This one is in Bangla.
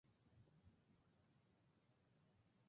তোরণটি পিয়াজেত্তার কোণের দিকে চলতে থাকে।